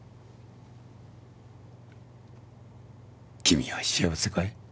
君は幸せかい？